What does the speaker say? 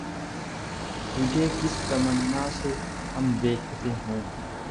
تجھے کس تمنا سے ہم دیکھتے ہیں